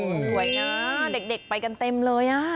สวยนะเด็กไปกันเต็มเลย